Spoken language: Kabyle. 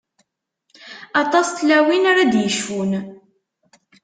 Aṭas n tlawin ara d-yecfun.